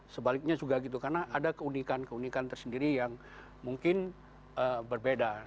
sebaliknya juga gitu karena ada keunikan keunikan tersendiri yang mungkin berbeda